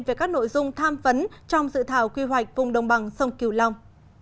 về các nội dung tham vấn trong dự thảo quy hoạch vùng đồng bằng sông kiều long